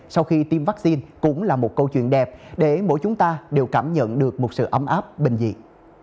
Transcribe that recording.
sau khi tiêm vaccine cũng là một câu chuyện đẹp để mỗi chúng ta đều cảm nhận được một sự ấm áp bình dị